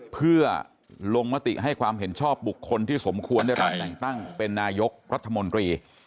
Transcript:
เพื่อลงมติให้ความเห็นชอบบุคคลที่สมควรได้รับแต่งตั้งเป็นนายกรัฐมนตรี